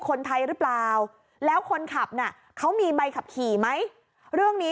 คนไทยหรือเปล่าแล้วคนขับน่ะเขามีใบขับขี่ไหมเรื่องนี้